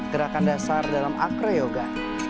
gerakan dasar dalam acroyoga